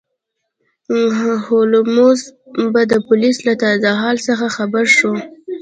هولمز به د پولیسو له تازه حال څخه خبر شو.